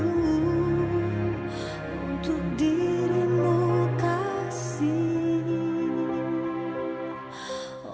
untuk dirimu kasih